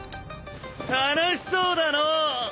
楽しそうだのう！